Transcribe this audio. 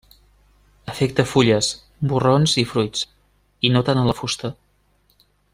Afecta fulles, borrons i fruits i no tant a la fusta.